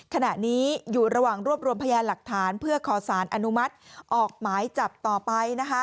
ขณะนี้อยู่ระหว่างรวบรวมพยานหลักฐานเพื่อขอสารอนุมัติออกหมายจับต่อไปนะคะ